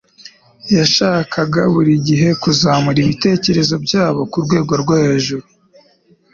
yashakaga buri gihe kuzamura ibitekerezo byabo ku rwego rwo hejuru